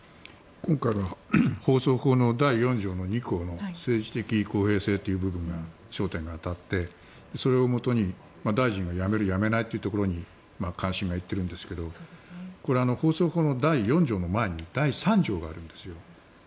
今回放送法の第４条の２項の政治的公平性という部分に焦点が当たってそれをもとに大臣が辞める、辞めないというところに関心が行っているんですけどこれは放送法の第４条の前に第３条があるんですよ。